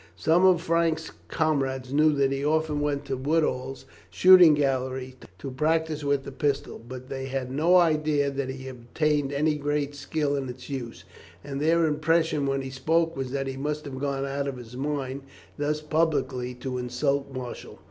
Some of Frank's comrades knew that he often went to Woodall's shooting gallery to practise with the pistol, but they had no idea that he had attained any great skill in its use, and their impression when he spoke was that he must have gone out of his mind thus publicly to insult Marshall.